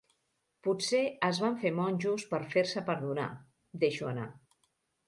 Potser es van fer monjos per fer-se perdonar —deixo anar.